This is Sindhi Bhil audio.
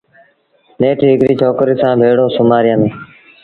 نيٺ هڪڙيٚ ڇوڪريٚ سآݩ ڀيڙو سُومآريآݩدون۔